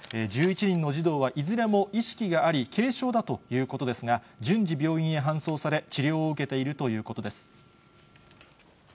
１１人の児童はいずれも意識があり、軽症だということですが、順次、病院へ搬送され、治療を受けているということです。